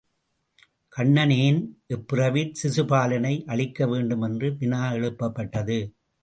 கண்ணன் ஏன் இப்பிறவியில் சிசுபாலனை அழிக்க வேண்டும்? என்ற வினா எழுப்பப்பட்டது.